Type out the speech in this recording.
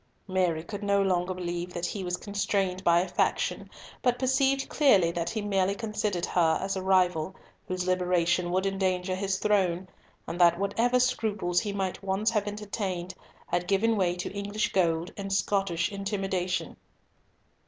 Mary could no longer believe that he was constrained by a faction, but perceived clearly that he merely considered her as a rival, whose liberation would endanger his throne, and that whatever scruples he might once have entertained had given way to English gold and Scottish intimidation.